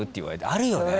あるよね？